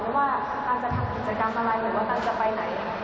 ว่าตังจะทำกิจกรรมอะไรหรือว่าตันจะไปไหน